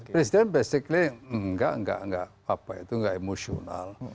presiden basically nggak apa itu nggak emosional